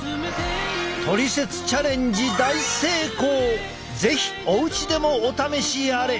トリセツチャレンジ是非おうちでもお試しあれ！